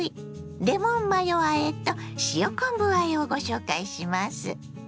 レモンマヨあえと塩昆布あえをご紹介します。